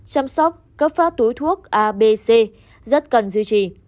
chăm sóc cấp phá túi thuốc a b c rất cần duy trì